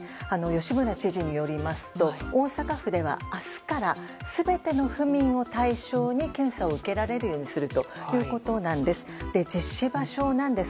吉村知事によりますと大阪府では、明日から全ての府民を対象に検査を受けられるようにするということなんです。